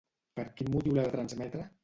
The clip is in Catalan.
Per quin motiu l'ha de transmetre?